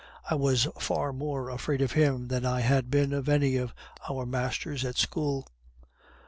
I was far more afraid of him than I had been of any of our masters at school.